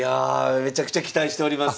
めちゃくちゃ期待しております。